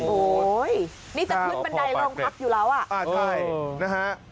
โอ้โหนี่จะขึ้นบันไดโรงพักอยู่แล้วอ่ะอ่าใช่นะฮะ